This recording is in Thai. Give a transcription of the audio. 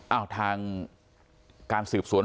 อ้าวทางการสืบสวน